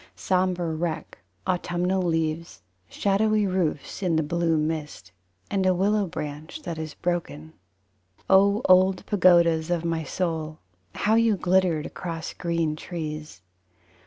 Sombre wreck autumnal leaves; Shadowy roofs In the blue mist, And a willow branch that is broken. O old pagodas of my soul, how you glittered across green trees!